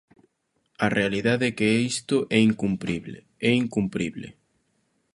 A realidade é que isto é incumprible, é incumprible.